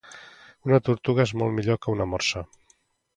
Una tortuga és molt millor que una morsa